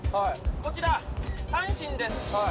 こちら三線です